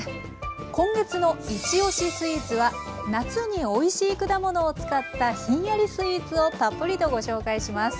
今月の「いちおしスイーツ」は夏においしい果物を使ったひんやりスイーツをたっぷりとご紹介します。